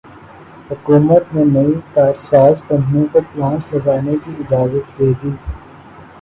حکومت نے نئی کارساز کمپنیوں کو پلانٹس لگانے کی اجازت دیدی